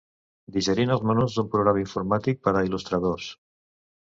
Digerint els menús d'un programa informàtic per a il·lustradors.